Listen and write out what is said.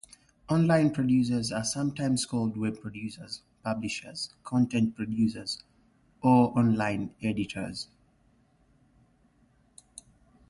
Online producers are sometimes called "web producers," "publishers," "content producers," or "online editors.